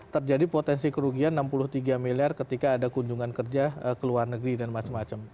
terjadi potensi kerugian enam puluh tiga miliar ketika ada kunjungan kerja ke luar negeri dan macam macam